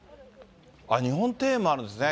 日本庭園もあるんですね。